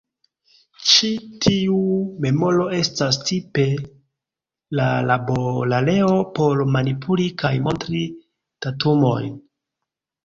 Ĉi tiu memoro estas tipe la labor-areo por manipuli kaj montri datumojn.